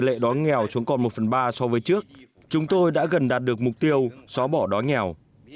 tỷ lệ đói nghèo xuống còn một phần ba so với trước chúng tôi đã gần đạt được mục tiêu xóa bỏ đói nghèo